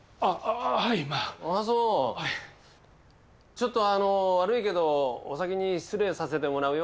ちょっと悪いけどお先に失礼させてもらうよ。